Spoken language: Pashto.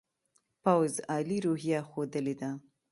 پوځ عالي روحیه ښودلې ده.